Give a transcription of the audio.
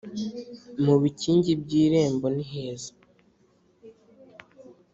mu bikingi by’irembo ni heza